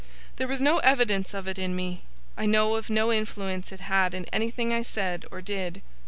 There was no evidence of it in me; I know of no influence it had in anything I said or did.